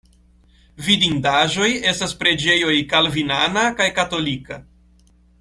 Vidindaĵoj estas preĝejoj kalvinana kaj katolika.